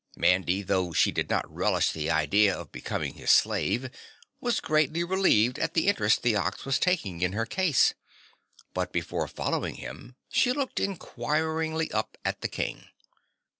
Mandy, though she did not relish the idea of becoming his slave, was greatly relieved at the interest the Ox was taking in her case, but before following him, she looked inquiringly up at the King.